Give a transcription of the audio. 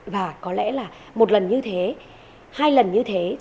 và có lẽ là một lần như thế hai lần như thế